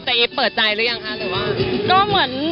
เจ๊เปิดใจหรือยังคะหรือว่า